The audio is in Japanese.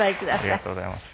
ありがとうございます。